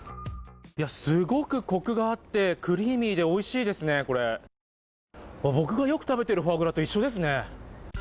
すごくコクがあってクリーミーでおいしいですね、これ僕がよく食べてるフォアグラと一緒ですね。